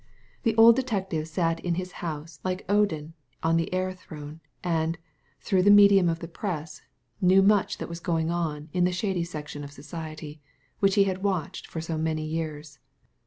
The old detective sat in his house like Odin on the Air throne, and — through the medium of the Press — knew much that was going on in the shady section of society, which he had watched for so many years.